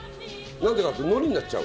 何でかってのりになっちゃう。